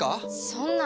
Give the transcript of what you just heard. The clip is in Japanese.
そんな！